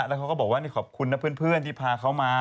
แล้วเขาก็บอกว่านี่ขอบคุณนะเพื่อนที่พาเขามา